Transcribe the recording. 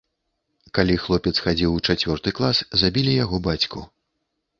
Калі хлопец хадзіў у чацвёрты клас, забілі яго бацьку.